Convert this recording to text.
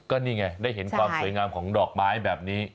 ก็นี่ไงได้เห็นความสวยงามของดอกไม้แบบนี้